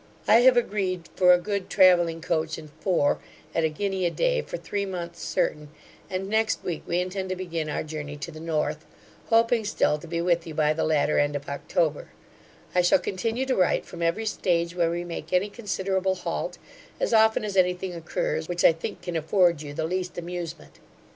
I have agreed for a good travelling coach and four, at a guinea a day, for three months certain; and next week we intend to begin our journey to the North, hoping still to be with you by the latter end of October I shall continue to write from every stage where we make any considerable halt, as often as anything occurs, which I think can afford you the least amusement.